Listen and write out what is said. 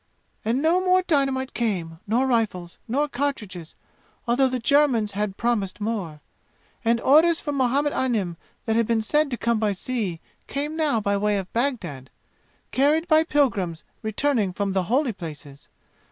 "And no more dynamite came nor rifles nor cartridges, although the Germans had promised more. And orders for Muhammad Anim that had been said to come by sea came now by way of Bagdad, carried by pilgrims returning from the holy places.